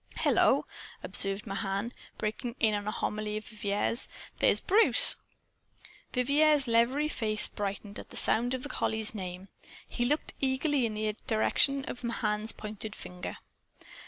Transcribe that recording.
"Hello!" observed Mahan, breaking in on a homily of Vivier's. "There's Bruce!" Vivier's leathery face brightened at sound of the collie's name. He looked eagerly in the direction of Mahan's pointing finger.